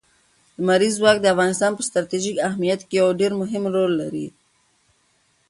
لمریز ځواک د افغانستان په ستراتیژیک اهمیت کې یو ډېر مهم رول لري.